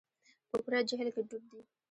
په پوره جهل کې ډوب دي.